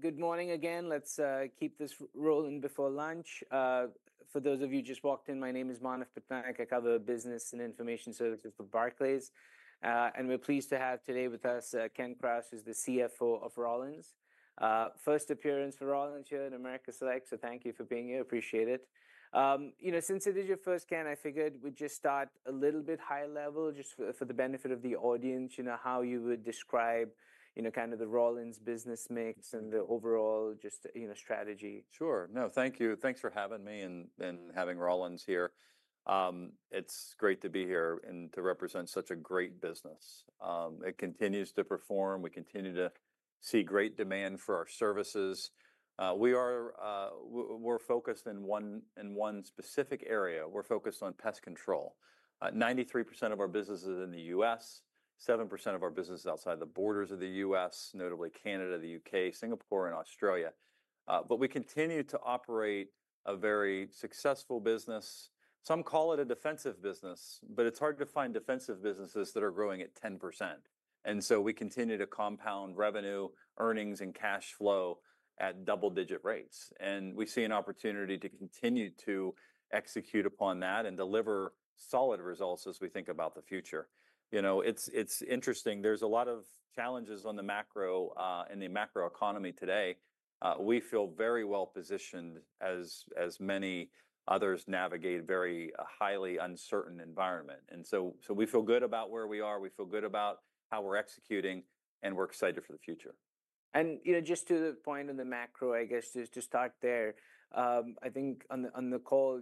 Good morning again. Let's keep this rolling before lunch. For those of you just walked in, my name is Manav Patnaik. I cover business and information services for Barclays. And we're pleased to have today with us Kenneth Krause, who's the CFO of Rollins. First appearance for Rollins here in America Select. So thank you for being here. Appreciate it. Since it is your first, Ken, I figured we'd just start a little bit high level just for the benefit of the audience, how you would describe kind of the Rollins business mix and the overall just strategy. Sure. No, thank you. Thanks for having me and having Rollins here. It's great to be here and to represent such a great business. It continues to perform. We continue to see great demand for our services. We're focused in one specific area. We're focused on pest control, 93% of our business is in the U.S., 7% of our business is outside the borders of the U.S., notably Canada, the U.K., Singapore, and Australia. We continue to operate a very successful business. Some call it a defensive business, but it's hard to find defensive businesses that are growing at 10%. We continue to compound revenue, earnings, and cash flow at double-digit rates. We see an opportunity to continue to execute upon that and deliver solid results as we think about the future. It's interesting. There's a lot of challenges on the macro and the macroeconomy today. We feel very well positioned as many others navigate a very highly uncertain environment. We feel good about where we are. We feel good about how we're executing, and we're excited for the future. Just to the point on the macro, I guess, just to start there, I think on the call,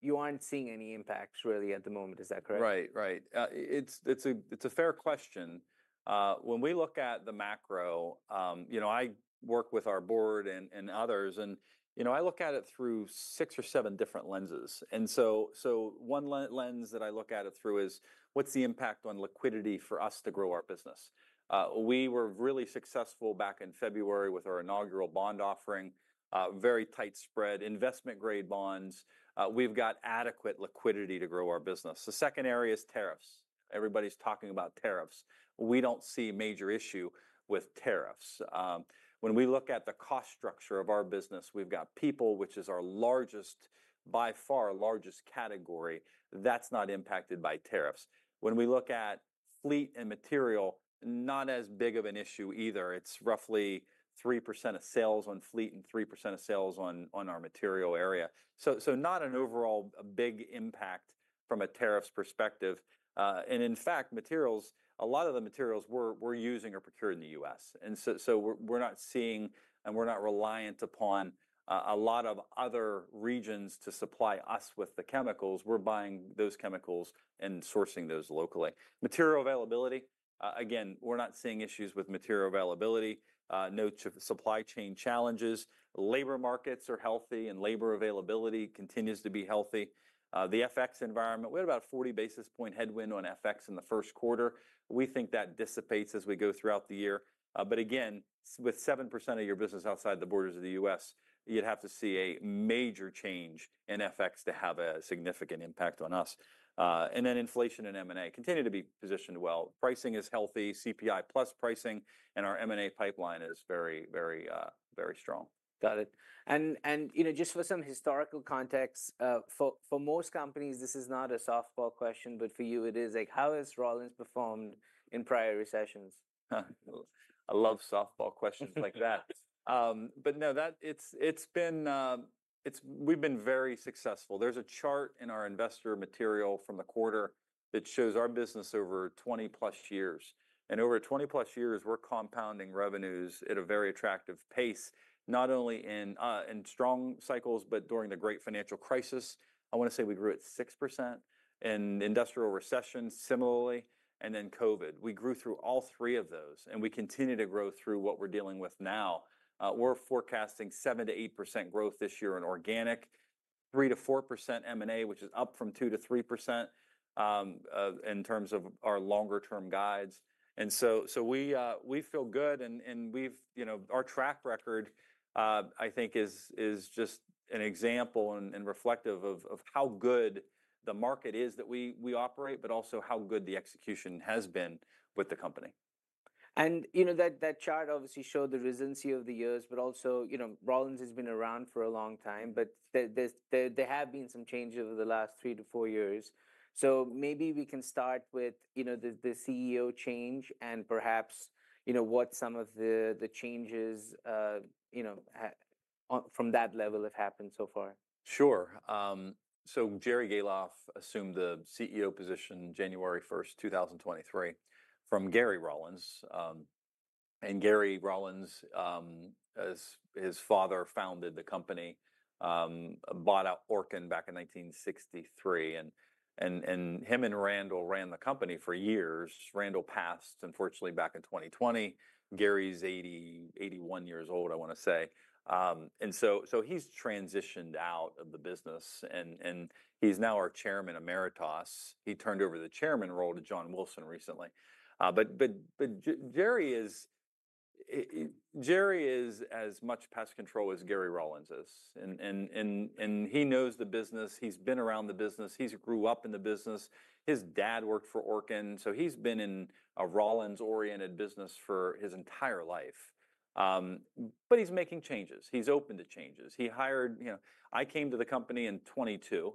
you aren't seeing any impacts really at the moment. Is that correct? Right. Right. It's a fair question. When we look at the macro, I work with our board and others, and I look at it through six or seven different lenses. One lens that I look at it through is what's the impact on liquidity for us to grow our business? We were really successful back in February with our inaugural bond offering, very tight spread, investment-grade bonds. We've got adequate liquidity to grow our business. The second area is tariffs. Everybody's talking about tariffs. We don't see a major issue with tariffs. When we look at the cost structure of our business, we've got people, which is our largest, by far largest category. That's not impacted by tariffs. When we look at fleet and material, not as big of an issue either. It's roughly 3% of sales on fleet and 3% of sales on our material area. Not an overall big impact from a tariffs perspective. In fact, materials, a lot of the materials we're using are procured in the U.S. We're not seeing and we're not reliant upon a lot of other regions to supply us with the chemicals. We're buying those chemicals and sourcing those locally. Material availability, again, we're not seeing issues with material availability, no supply chain challenges. Labor markets are healthy, and labor availability continues to be healthy. The FX environment, we had about a 40 basis point headwind on FX in the first quarter. We think that dissipates as we go throughout the year. Again, with 7% of your business outside the borders of the U.S., you'd have to see a major change in FX to have a significant impact on us. Inflation and M&A continue to be positioned well. Pricing is healthy, CPI plus pricing, and our M&A pipeline is very, very, very strong. Got it. Just for some historical context, for most companies, this is not a softball question, but for you, it is. How has Rollins performed in prior recessions? I love softball questions like that. No, we've been very successful. There's a chart in our investor material from the quarter that shows our business over 20 plus years. Over 20 plus years, we're compounding revenues at a very attractive pace, not only in strong cycles, but during the great financial crisis. I want to say we grew at 6% in industrial recession, similarly, and then COVID. We grew through all three of those, and we continue to grow through what we're dealing with now. We're forecasting 7% to 8% growth this year in organic, 3% to 4% M&A, which is up from 2% to 3% in terms of our longer-term guides. We feel good, and our track record, I think, is just an example and reflective of how good the market is that we operate, but also how good the execution has been with the company. That chart obviously showed the resiliency of the years, but also Rollins has been around for a long time, but there have been some changes over the last three to four years. Maybe we can start with the CEO change and perhaps what some of the changes from that level have happened so far. Sure. Jerry Gahlhoff assumed the CEO position January 1, 2023, from Gary Rollins. Gary Rollins, his father founded the company, bought out Orkin back in 1963. Him and Randall ran the company for years. Randall passed, unfortunately, back in 2020. Gary's 81 years old, I want to say. He's transitioned out of the business, and he's now our chairman emeritus. He turned over the chairman role to John Wilson recently. Jerry is as much pest control as Gary Rollins is. He knows the business. He's been around the business. He grew up in the business. His dad worked for Orkin. He's been in a Rollins-oriented business for his entire life. He's making changes. He's open to changes. I came to the company in 2022,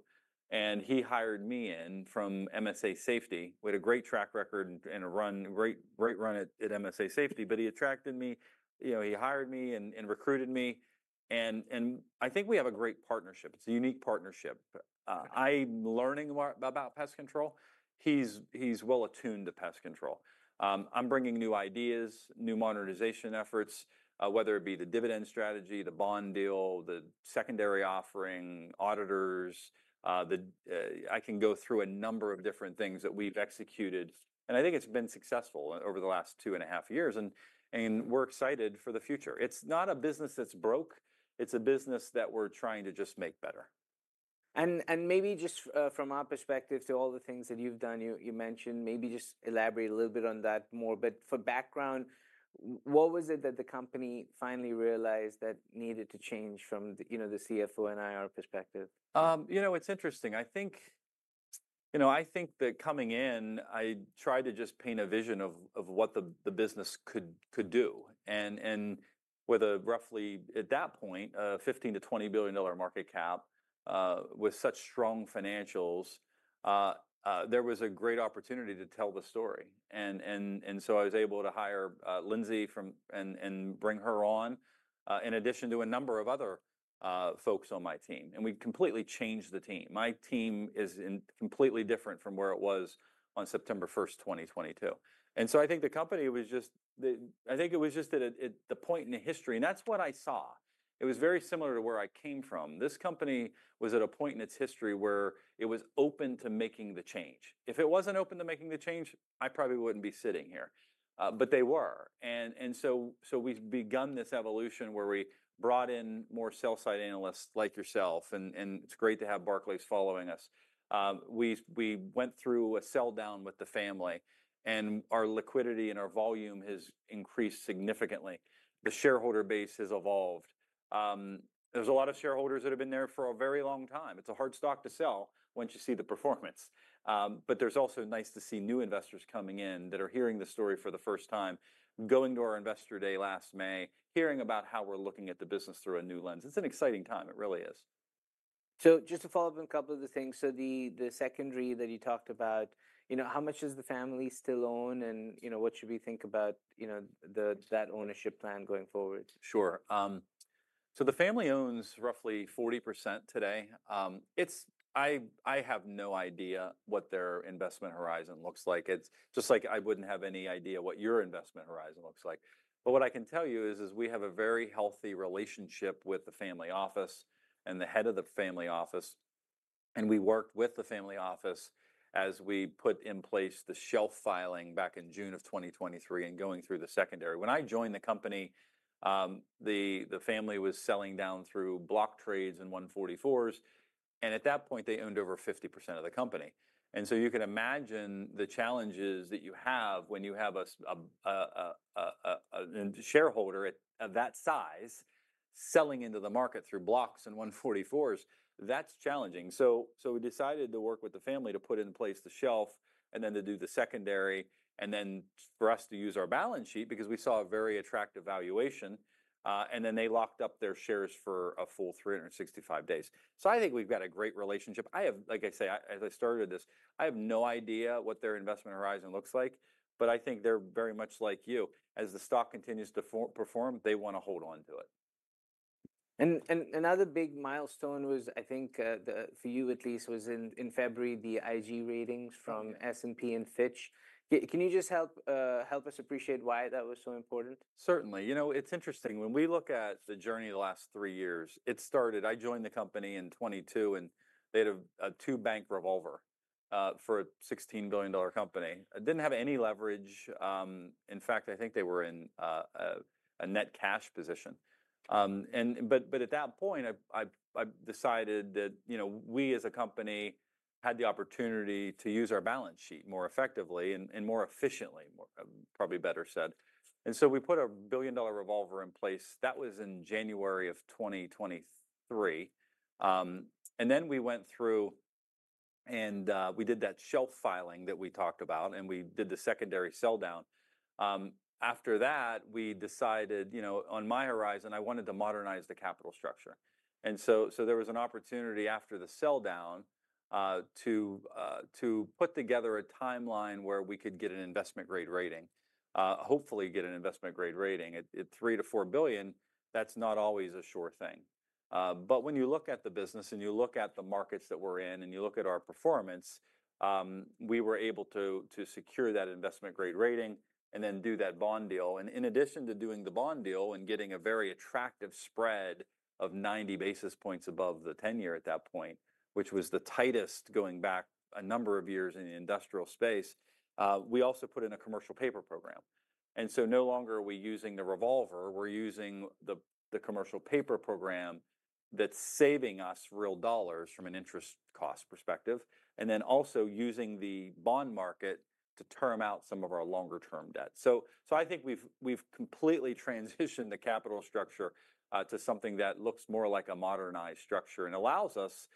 and he hired me in from MSA Safety. We had a great track record and a great run at MSA Safety. He attracted me. He hired me and recruited me. I think we have a great partnership. It's a unique partnership. I'm learning about pest control. He's well attuned to pest control. I'm bringing new ideas, new modernization efforts, whether it be the dividend strategy, the bond deal, the secondary offering, auditors. I can go through a number of different things that we've executed. I think it's been successful over the last two and a half years. We're excited for the future. It's not a business that's broke. It's a business that we're trying to just make better. Maybe just from our perspective to all the things that you've done, you mentioned, maybe just elaborate a little bit on that more. For background, what was it that the company finally realized that needed to change from the CFO and IR perspective? You know, it's interesting. I think, you know, I think that coming in, I tried to just paint a vision of what the business could do. With a roughly, at that point, a $15 billion to $20 billion market cap, with such strong financials, there was a great opportunity to tell the story. I was able to hire Lyndsey and bring her on, in addition to a number of other folks on my team. We completely changed the team. My team is completely different from where it was on September 1, 2022. I think the company was just, I think it was just at the point in the history. That's what I saw. It was very similar to where I came from. This company was at a point in its history where it was open to making the change. If it wasn't open to making the change, I probably wouldn't be sitting here. They were. We've begun this evolution where we brought in more sell-side analysts like yourself. It's great to have Barclays following us. We went through a sell-down with the family, and our liquidity and our volume has increased significantly. The shareholder base has evolved. There are a lot of shareholders that have been there for a very long time. It's a hard stock to sell once you see the performance. It's also nice to see new investors coming in that are hearing the story for the first time, going to our investor day last May, hearing about how we're looking at the business through a new lens. It's an exciting time. It really is. Just to follow up on a couple of the things. The secondary that you talked about, how much does the family still own? What should we think about that ownership plan going forward? Sure. The family owns roughly 40% today. I have no idea what their investment horizon looks like. It's just like I wouldn't have any idea what your investment horizon looks like. What I can tell you is we have a very healthy relationship with the family office and the head of the family office. We worked with the family office as we put in place the shelf filing back in June of 2023 and going through the secondary. When I joined the company, the family was selling down through block trades and 144s. At that point, they owned over 50% of the company. You can imagine the challenges that you have when you have a shareholder of that size selling into the market through blocks and 144s. That's challenging. We decided to work with the family to put in place the shelf and then to do the secondary and then for us to use our balance sheet because we saw a very attractive valuation. They locked up their shares for a full 365 days. I think we've got a great relationship. I have, like I say, as I started this, I have no idea what their investment horizon looks like, but I think they're very much like you. As the stock continues to perform, they want to hold on to it. Another big milestone was, I think for you at least, in February the IG ratings from S&P and Fitch. Can you just help us appreciate why that was so important? Certainly. You know, it's interesting. When we look at the journey the last three years, it started, I joined the company in 2022, and they had a two-bank revolver for a $16 billion company. It didn't have any leverage. In fact, I think they were in a net cash position. At that point, I decided that we as a company had the opportunity to use our balance sheet more effectively and more efficiently, probably better said. We put a billion-dollar revolver in place. That was in January of 2023. We went through and we did that shelf filing that we talked about, and we did the secondary sell-down. After that, we decided, on my horizon, I wanted to modernize the capital structure. There was an opportunity after the sell-down to put together a timeline where we could get an investment-grade rating, hopefully get an investment-grade rating. At $3 billion to $4 billion, that's not always a sure thing. When you look at the business and you look at the markets that we're in and you look at our performance, we were able to secure that investment-grade rating and then do that bond deal. In addition to doing the bond deal and getting a very attractive spread of 90 basis points above the 10-year at that point, which was the tightest going back a number of years in the industrial space, we also put in a commercial paper program. No longer are we using the revolver. We're using the commercial paper program that's saving us real dollars from an interest cost perspective and then also using the bond market to term out some of our longer-term debt. I think we've completely transitioned the capital structure to something that looks more like a modernized structure and allows us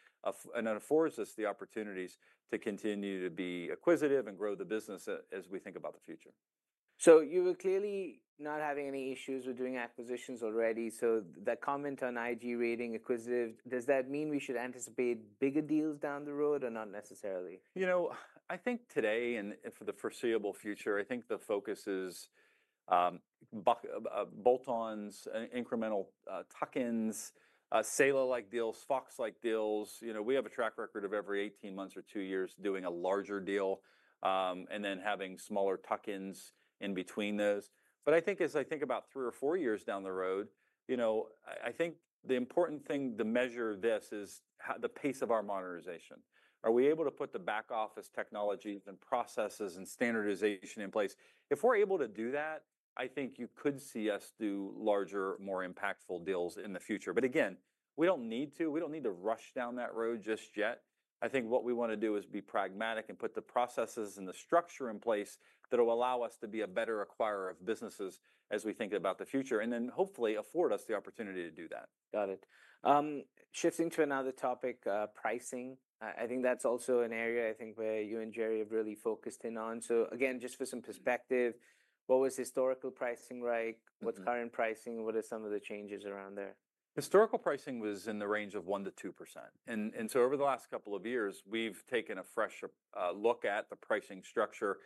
and affords us the opportunities to continue to be acquisitive and grow the business as we think about the future. You were clearly not having any issues with doing acquisitions already. The comment on IG rating, acquisitive, does that mean we should anticipate bigger deals down the road or not necessarily? You know, I think today and for the foreseeable future, I think the focus is bolt-ons, incremental tuck-ins, Saela-like deals, Fox-like deals. You know, we have a track record of every 18 months or two years doing a larger deal and then having smaller tuck-ins in between those. I think as I think about three or four years down the road, you know, I think the important thing to measure this is the pace of our modernization. Are we able to put the back-office technologies and processes and standardization in place? If we're able to do that, I think you could see us do larger, more impactful deals in the future. Again, we don't need to. We don't need to rush down that road just yet. I think what we want to do is be pragmatic and put the processes and the structure in place that will allow us to be a better acquirer of businesses as we think about the future and then hopefully afford us the opportunity to do that. Got it. Shifting to another topic, pricing. I think that's also an area I think where you and Jerry have really focused in on. Just for some perspective, what was historical pricing like? What's current pricing? What are some of the changes around there? Historical pricing was in the range of 1% to 2%. Over the last couple of years, we've taken a fresh look at the pricing structure.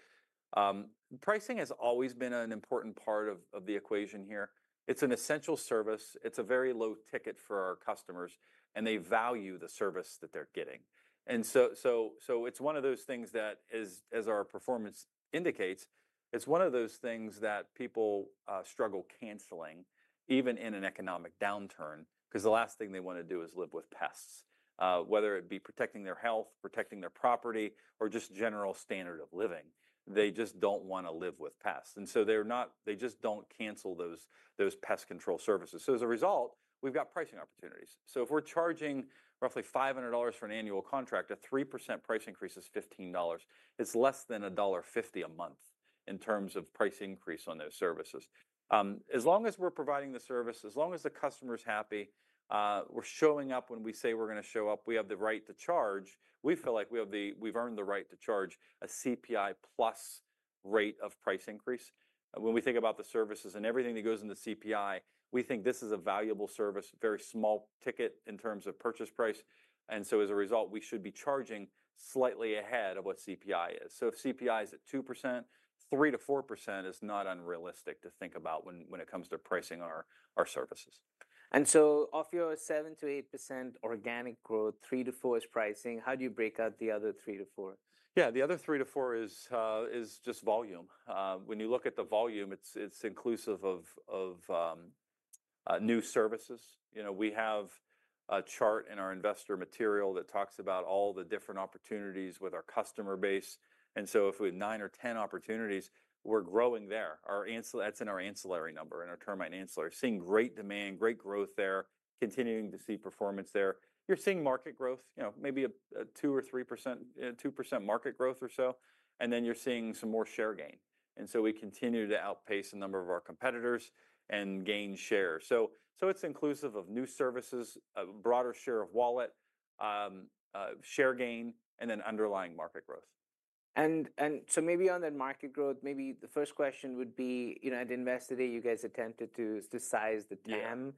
Pricing has always been an important part of the equation here. It's an essential service. It's a very low ticket for our customers, and they value the service that they're getting. It's one of those things that, as our performance indicates, it's one of those things that people struggle canceling even in an economic downturn because the last thing they want to do is live with pests, whether it be protecting their health, protecting their property, or just general standard of living. They just don't want to live with pests. They just don't cancel those pest control services. As a result, we've got pricing opportunities. If we're charging roughly $500 for an annual contract, a 3% price increase is $15. It's less than $1.50 a month in terms of price increase on those services. As long as we're providing the service, as long as the customer's happy, we're showing up when we say we're going to show up, we have the right to charge. We feel like we've earned the right to charge a CPI plus rate of price increase. When we think about the services and everything that goes into CPI, we think this is a valuable service, very small ticket in terms of purchase price. As a result, we should be charging slightly ahead of what CPI is. If CPI is at 2%, 3% to 4% is not unrealistic to think about when it comes to pricing our services. Of your 7% to 8% organic growth, 3% to 4% is pricing. How do you break out the other 3% to 4%? Yeah, the other 3% to 4% is just volume. When you look at the volume, it's inclusive of new services. We have a chart in our investor material that talks about all the different opportunities with our customer base. And so if we have 9% or 10% opportunities, we're growing there. That's in our ancillary number, in our termite ancillary. Seeing great demand, great growth there, continuing to see performance there. You're seeing market growth, maybe a 2% to 3%, 2% market growth or so. And then you're seeing some more share gain. And so we continue to outpace a number of our competitors and gain shares. So it's inclusive of new services, a broader share of wallet, share gain, and then underlying market growth. Maybe on that market growth, maybe the first question would be, at Invest Today, you guys attempted to size the TAM.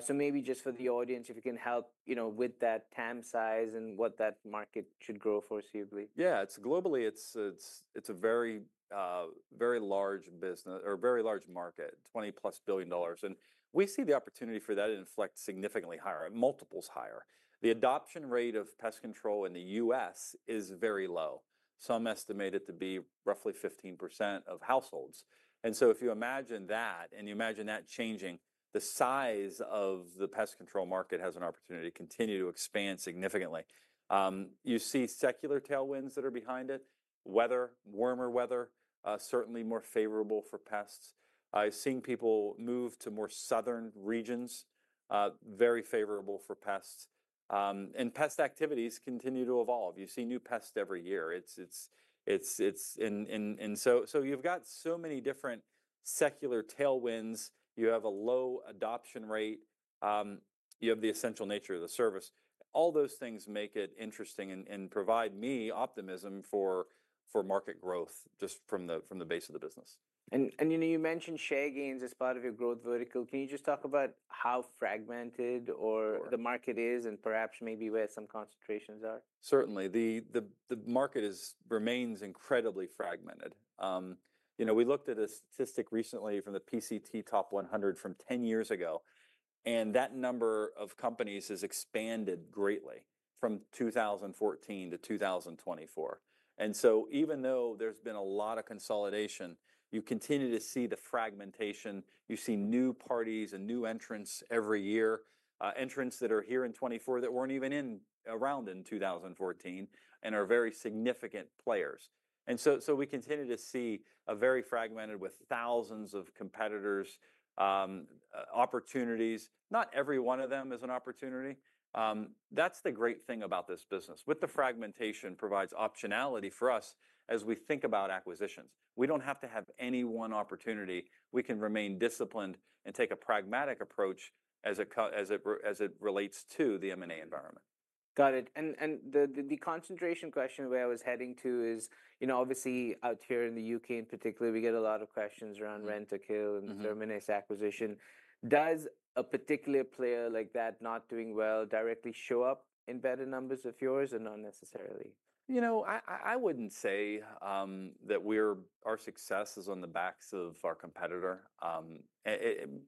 So maybe just for the audience, if you can help with that TAM size and what that market should grow for, see you believe. Yeah, globally, it's a very large business or very large market, $20 billion plus. We see the opportunity for that inflect significantly higher, multiples higher. The adoption rate of pest control in the U.S. is very low. Some estimate it to be roughly 15% of households. If you imagine that and you imagine that changing, the size of the pest control market has an opportunity to continue to expand significantly. You see secular tailwinds that are behind it, weather, warmer weather, certainly more favorable for pests. I've seen people move to more southern regions, very favorable for pests. Pest activities continue to evolve. You see new pests every year. You have so many different secular tailwinds. You have a low adoption rate. You have the essential nature of the service. All those things make it interesting and provide me optimism for market growth just from the base of the business. You mentioned share gains as part of your growth vertical. Can you just talk about how fragmented the market is and perhaps maybe where some concentrations are? Certainly. The market remains incredibly fragmented. We looked at a statistic recently from the PCT Top 100 from 10 years ago. That number of companies has expanded greatly from 2014 to 2024. Even though there has been a lot of consolidation, you continue to see the fragmentation. You see new parties and new entrants every year, entrants that are here in 2024 that were not even around in 2014 and are very significant players. We continue to see a very fragmented market with thousands of competitors, opportunities. Not every one of them is an opportunity. That is the great thing about this business. The fragmentation provides optionality for us as we think about acquisitions. We do not have to have any one opportunity. We can remain disciplined and take a pragmatic approach as it relates to the M&A environment. Got it. The concentration question where I was heading to is, obviously, out here in the U.K. in particular, we get a lot of questions around Rentokil and Terminix acquisition. Does a particular player like that not doing well directly show up in better numbers of yours or not necessarily? You know. I wouldn't say that our success is on the backs of our competitor. I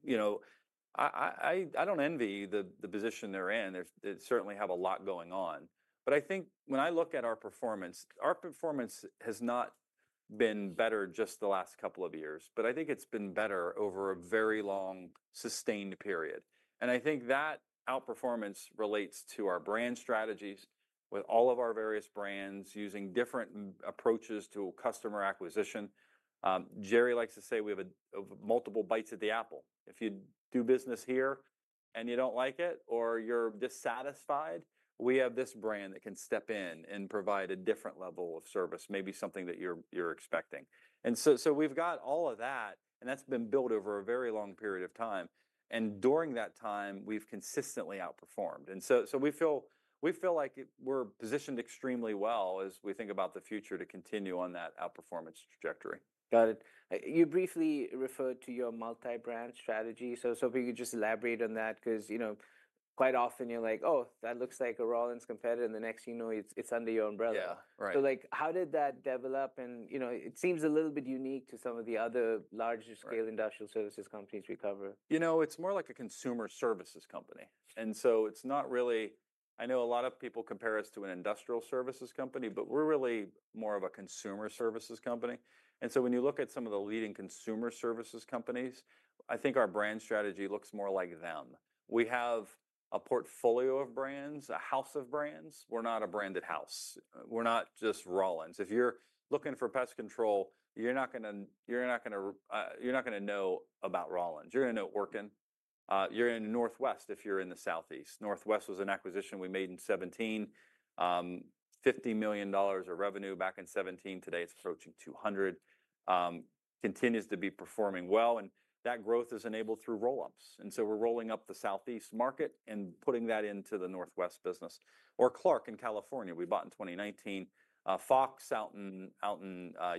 don't envy the position they're in. They certainly have a lot going on. I think when I look at our performance, our performance has not been better just the last couple of years, but I think it's been better over a very long sustained period. I think that outperformance relates to our brand strategies with all of our various brands using different approaches to customer acquisition. Jerry likes to say we have multiple bites at the apple. If you do business here and you don't like it or you're dissatisfied, we have this brand that can step in and provide a different level of service, maybe something that you're expecting. We've got all of that, and that's been built over a very long period of time. During that time, we've consistently outperformed. We feel like we're positioned extremely well as we think about the future to continue on that outperformance trajectory. Got it. You briefly referred to your multi-brand strategy. If you could just elaborate on that because quite often you're like, "Oh, that looks like a Rollins competitor," and the next thing you know, it's under your umbrella. How did that develop? It seems a little bit unique to some of the other larger scale industrial services companies we cover. You know, it's more like a consumer services company. It's not really, I know a lot of people compare us to an industrial services company, but we're really more of a consumer services company. When you look at some of the leading consumer services companies, I think our brand strategy looks more like them. We have a portfolio of brands, a house of brands. We're not a branded house. We're not just Rollins. If you're looking for pest control, you're not going to know about Rollins. You're going to know Orkin. You're in Northwest if you're in the Southeast. Northwest was an acquisition we made in 2017, $50 million of revenue back in 2017. Today, it's approaching $200 million. Continues to be performing well. That growth is enabled through roll-ups. We're rolling up the Southeast market and putting that into the Northwest business. Or Clark in California, we bought in 2019. Fox out in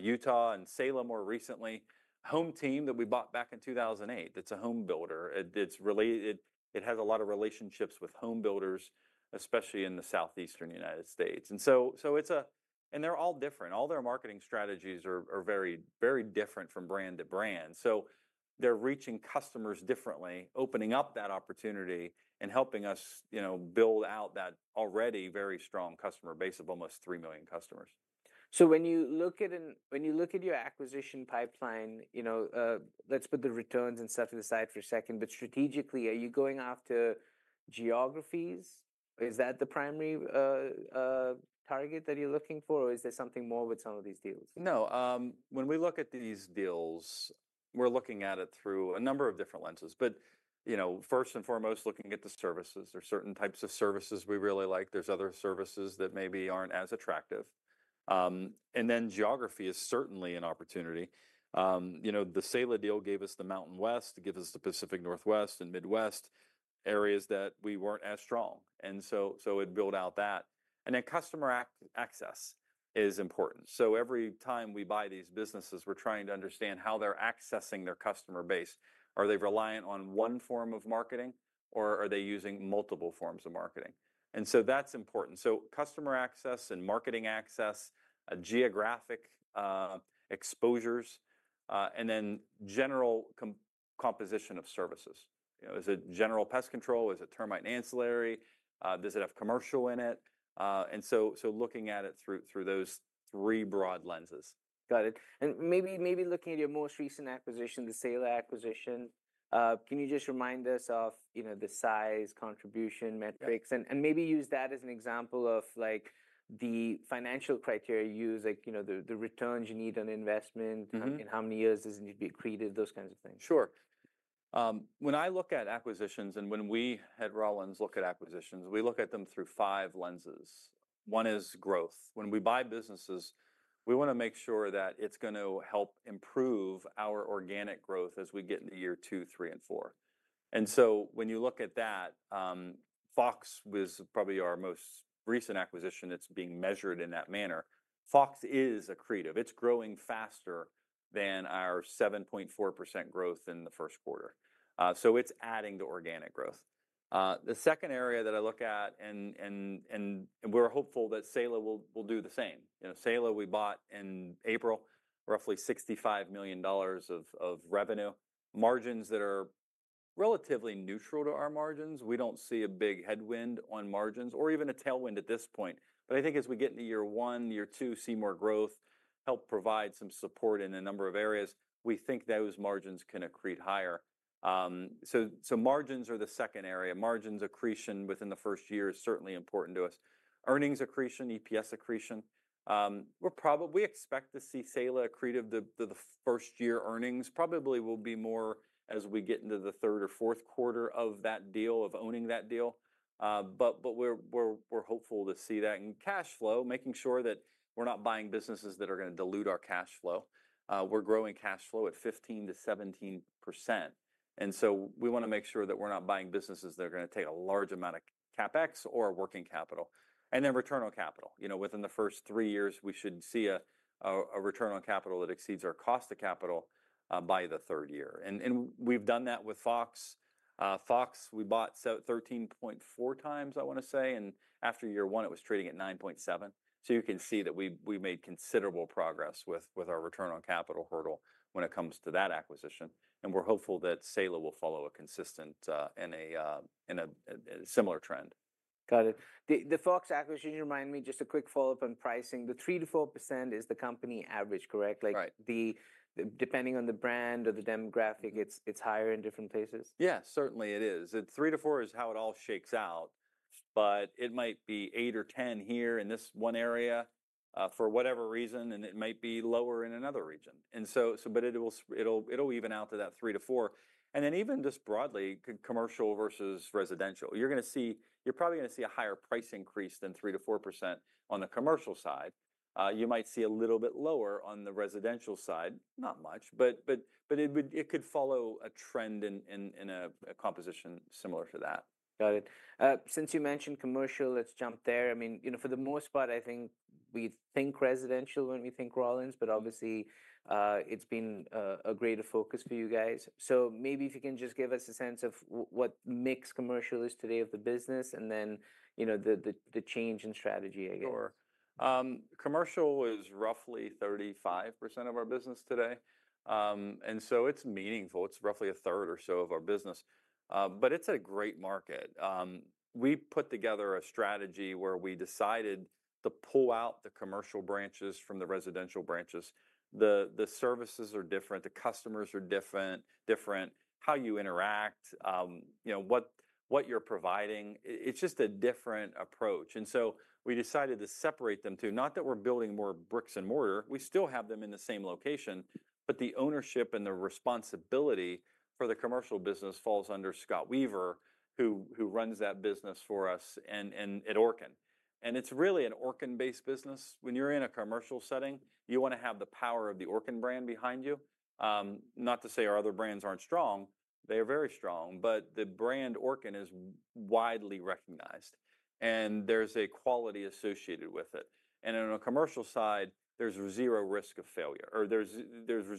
Utah and Salem more recently. HomeTeam that we bought back in 2008. It's a home builder. It has a lot of relationships with home builders, especially in the Southeastern United States. It's a, and they're all different. All their marketing strategies are very different from brand to brand. They're reaching customers differently, opening up that opportunity and helping us build out that already very strong customer base of almost 3 million customers. When you look at your acquisition pipeline, let's put the returns and stuff to the side for a second, but strategically, are you going after geographies? Is that the primary target that you're looking for, or is there something more with some of these deals? No. When we look at these deals, we're looking at it through a number of different lenses. First and foremost, looking at the services. There are certain types of services we really like. There are other services that maybe aren't as attractive. Geography is certainly an opportunity. The Salem deal gave us the Mountain West, gave us the Pacific Northwest and Midwest areas that we weren't as strong. It built out that. Customer access is important. Every time we buy these businesses, we're trying to understand how they're accessing their customer base. Are they reliant on one form of marketing, or are they using multiple forms of marketing? That is important. Customer access and marketing access, geographic exposures, and then general composition of services. Is it general pest control? Is it termite ancillary? Does it have commercial in it? Looking at it through those three broad lenses. Got it. Maybe looking at your most recent acquisition, the Salem acquisition, can you just remind us of the size, contribution metrics, and maybe use that as an example of the financial criteria you use, like the returns you need on investment, in how many years does it need to be accreted, those kinds of things? Sure. When I look at acquisitions and when we at Rollins look at acquisitions, we look at them through five lenses. One is growth. When we buy businesses, we want to make sure that it's going to help improve our organic growth as we get into year two, three, and four. When you look at that, Fox was probably our most recent acquisition. It's being measured in that manner. Fox is accretive. It's growing faster than our 7.4% growth in the first quarter. It's adding to organic growth. The second area that I look at, and we're hopeful that Salem will do the same. Salem, we bought in April, roughly $65 million of revenue. Margins that are relatively neutral to our margins. We don't see a big headwind on margins or even a tailwind at this point. I think as we get into year one, year two, see more growth, help provide some support in a number of areas, we think those margins can accrete higher. Margins are the second area. Margins accretion within the first year is certainly important to us. Earnings accretion, EPS accretion. We expect to see Salem accretive to the first year earnings. Probably will be more as we get into the third or fourth quarter of that deal, of owning that deal. We are hopeful to see that in cash flow, making sure that we are not buying businesses that are going to dilute our cash flow. We are growing cash flow at 15% to 17%. We want to make sure that we are not buying businesses that are going to take a large amount of CapEx or working capital. Then return on capital. Within the first three years, we should see a return on capital that exceeds our cost of capital by the third year. We have done that with Fox. Fox, we bought 13.4 times, I want to say. After year one, it was trading at 9.7. You can see that we made considerable progress with our return on capital hurdle when it comes to that acquisition. We are hopeful that Salem will follow a consistent and a similar trend. Got it. The Fox acquisition, you remind me, just a quick follow-up on pricing. The 3% to 4% is the company average, correct? Right. Depending on the brand or the demographic, it's higher in different places? Yeah, certainly it is. 3% to 4% is how it all shakes out. It might be 8% or 10% here in this one area for whatever reason, and it might be lower in another region. It'll even out to that 3% to 4%. Even just broadly, commercial versus residential, you're probably going to see a higher price increase than 3% to 4% on the commercial side. You might see a little bit lower on the residential side, not much, but it could follow a trend in a composition similar to that. Got it. Since you mentioned commercial, let's jump there. I mean, for the most part, I think we think residential when we think Rollins, but obviously, it's been a greater focus for you guys. Maybe if you can just give us a sense of what mix commercial is today of the business and then the change in strategy. Sure. Commercial is roughly 35% of our business today. It is meaningful. It is roughly a third or so of our business. It is a great market. We put together a strategy where we decided to pull out the commercial branches from the residential branches. The services are different. The customers are different. How you interact, what you are providing, it is just a different approach. We decided to separate them too, not that we are building more bricks and mortar. We still have them in the same location, but the ownership and the responsibility for the commercial business falls under Scott Weaver, who runs that business for us at Orkin. It is really an Orkin-based business. When you are in a commercial setting, you want to have the power of the Orkin brand behind you. Not to say our other brands are not strong. They are very strong, but the brand Orkin is widely recognized. And there's a quality associated with it. On a commercial side, there's zero risk of failure or there's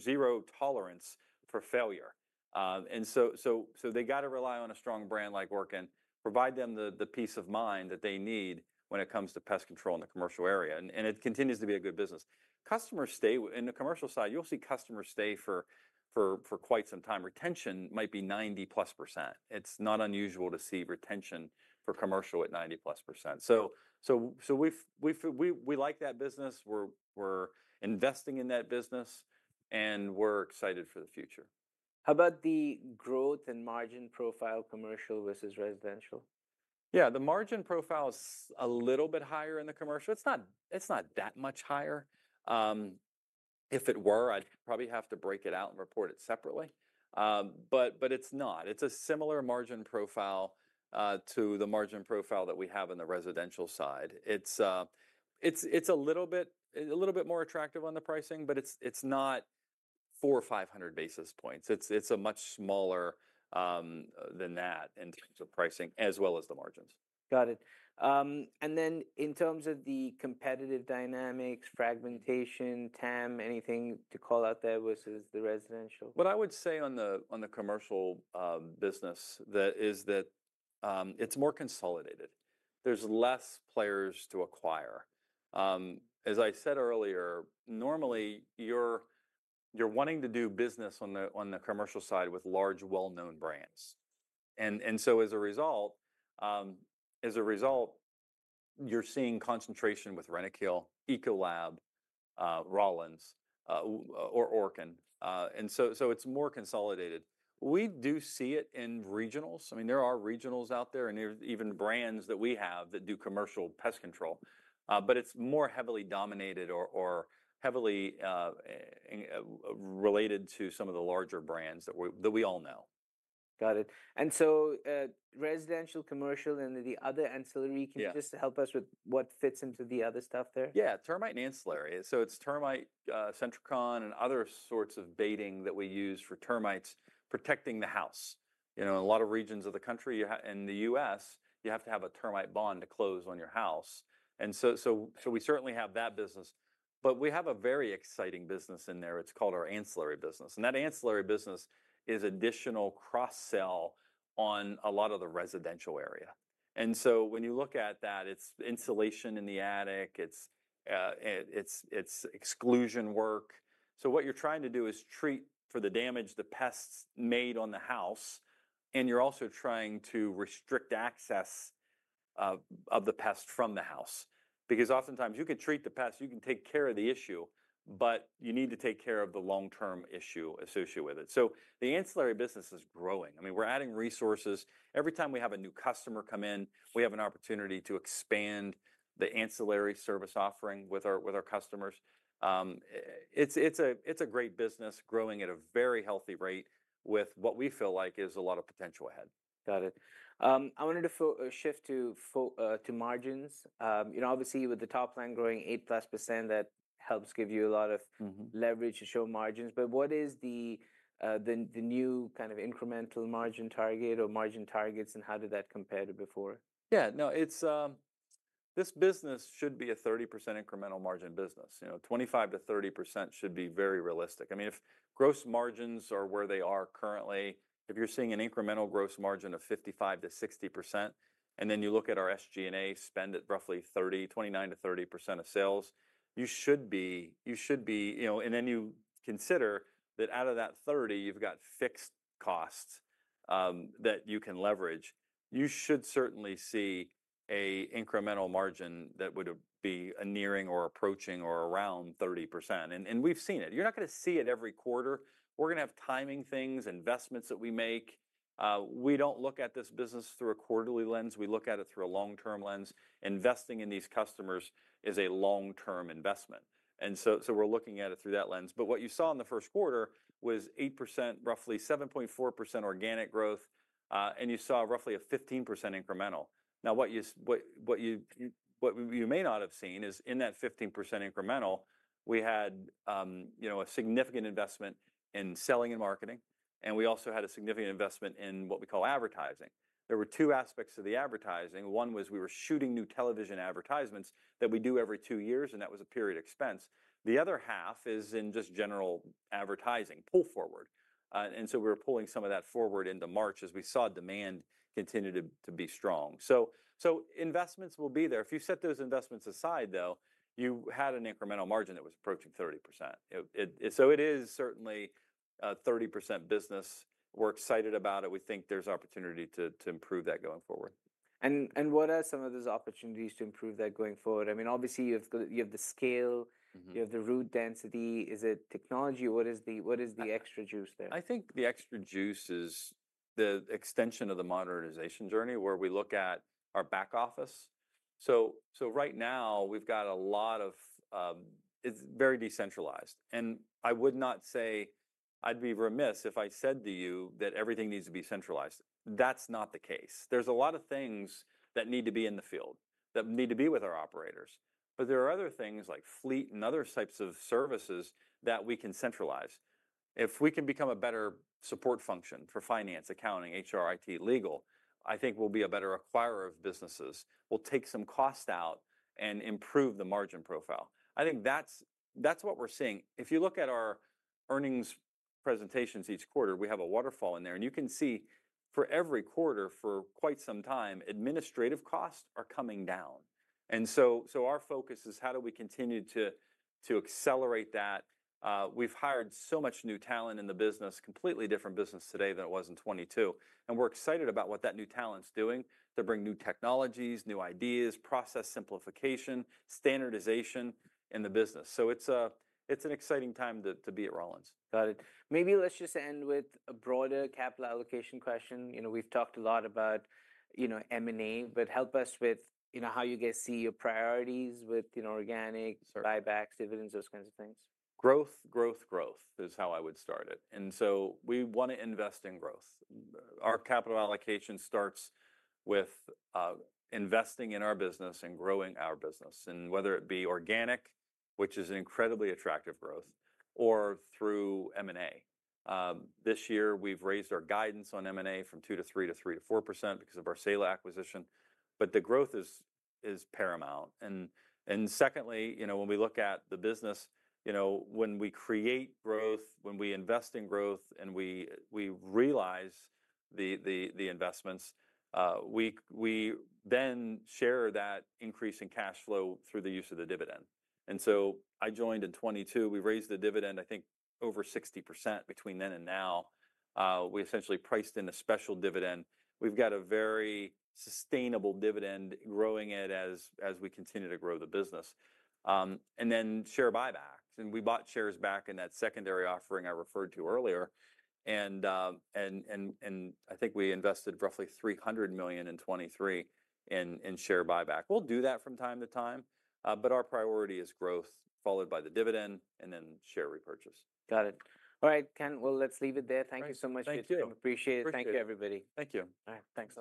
zero tolerance for failure. They got to rely on a strong brand like Orkin, provide them the peace of mind that they need when it comes to pest control in the commercial area. It continues to be a good business. In the commercial side, you'll see customers stay for quite some time. Retention might be 90+%. It's not unusual to see retention for commercial at 90+%. We like that business. We're investing in that business, and we're excited for the future. How about the growth and margin profile commercial versus residential? Yeah, the margin profile is a little bit higher in the commercial. It's not that much higher. If it were, I'd probably have to break it out and report it separately. But it's not. It's a similar margin profile to the margin profile that we have on the residential side. It's a little bit more attractive on the pricing, but it's not 400 or 500 basis points. It's much smaller than that in terms of pricing as well as the margins. Got it. In terms of the competitive dynamics, fragmentation, TAM, anything to call out there versus the residential? What I would say on the commercial business is that it's more consolidated. There's less players to acquire. As I said earlier, normally, you're wanting to do business on the commercial side with large, well-known brands. As a result, you're seeing concentration with Rentokil, Ecolab, Rollins, or Orkin. It's more consolidated. We do see it in regionals. I mean, there are regionals out there, and there's even brands that we have that do commercial pest control. It's more heavily dominated or heavily related to some of the larger brands that we all know. Got it. Residential, commercial, and the other ancillary, can you just help us with what fits into the other stuff there? Yeah, termite and ancillary. It is termite, Centricon, and other sorts of baiting that we use for termites protecting the house. In a lot of regions of the country in the U.S., you have to have a termite bond to close on your house. We certainly have that business. We have a very exciting business in there. It is called our ancillary business. That ancillary business is additional cross-sell on a lot of the residential area. When you look at that, it is insulation in the attic. It is exclusion work. What you are trying to do is treat for the damage the pests made on the house. You are also trying to restrict access of the pest from the house. Because oftentimes, you can treat the pest. You can take care of the issue, but you need to take care of the long-term issue associated with it. The ancillary business is growing. I mean, we're adding resources. Every time we have a new customer come in, we have an opportunity to expand the ancillary service offering with our customers. It's a great business growing at a very healthy rate with what we feel like is a lot of potential ahead. Got it. I wanted to shift to margins. Obviously, with the top line growing 8% plus, that helps give you a lot of leverage to show margins. What is the new kind of incremental margin target or margin targets, and how did that compare to before? Yeah, no, this business should be a 30% incremental margin business. 25% to 30% should be very realistic. I mean, if gross margins are where they are currently, if you're seeing an incremental gross margin of 55% to 60%, and then you look at our SG&A spend at roughly 29% to 30% of sales, you should be, and then you consider that out of that 30, you've got fixed costs that you can leverage. You should certainly see an incremental margin that would be nearing or approaching or around 30%. We've seen it. You're not going to see it every quarter. We're going to have timing things, investments that we make. We don't look at this business through a quarterly lens. We look at it through a long-term lens. Investing in these customers is a long-term investment. We are looking at it through that lens. What you saw in the first quarter was 8%, roughly 7.4% organic growth, and you saw roughly a 15% incremental. Now, what you may not have seen is in that 15% incremental, we had a significant investment in selling and marketing, and we also had a significant investment in what we call advertising. There were two aspects of the advertising. One was we were shooting new television advertisements that we do every two years, and that was a period expense. The other half is in just general advertising, pull forward. We were pulling some of that forward into March as we saw demand continue to be strong. Investments will be there. If you set those investments aside, though, you had an incremental margin that was approaching 30%. It is certainly a 30% business. We're excited about it. We think there's opportunity to improve that going forward. What are some of those opportunities to improve that going forward? I mean, obviously, you have the scale. You have the route density. Is it technology? What is the extra juice there? I think the extra juice is the extension of the modernization journey where we look at our back office. Right now, we've got a lot of it's very decentralized. I would not say I'd be remiss if I said to you that everything needs to be centralized. That's not the case. There are a lot of things that need to be in the field that need to be with our operators. There are other things like fleet and other types of services that we can centralize. If we can become a better support function for finance, accounting, HR, IT, legal, I think we'll be a better acquirer of businesses. We'll take some cost out and improve the margin profile. I think that's what we're seeing. If you look at our earnings presentations each quarter, we have a waterfall in there. You can see for every quarter for quite some time, administrative costs are coming down. Our focus is how do we continue to accelerate that. We've hired so much new talent in the business, completely different business today than it was in 2022. We're excited about what that new talent's doing to bring new technologies, new ideas, process simplification, standardization in the business. It is an exciting time to be at Rollins. Got it. Maybe let's just end with a broader capital allocation question. We've talked a lot about M&A, but help us with how you guys see your priorities with organics, or buybacks, dividends, those kinds of things. Growth, growth, growth is how I would start it. We want to invest in growth. Our capital allocation starts with investing in our business and growing our business, whether it be organic, which is an incredibly attractive growth, or through M&A. This year, we've raised our guidance on M&A from 2% to 3%, to 3% to 4% because of our Salem acquisition. The growth is paramount. Secondly, when we look at the business, when we create growth, when we invest in growth, and we realize the investments, we then share that increase in cash flow through the use of the dividend. I joined in 2022. We raised the dividend, I think, over 60% between then and now. We essentially priced in a special dividend. We've got a very sustainable dividend, growing it as we continue to grow the business. Then share buybacks. We bought shares back in that secondary offering I referred to earlier. I think we invested roughly $300 million in 2023 in share buyback. We will do that from time to time. Our priority is growth followed by the dividend and then share repurchase. Got it. All right, Ken, let's leave it there. Thank you so much. Thank you. Appreciate it. Thank you, everybody. Thank you. All right, thanks.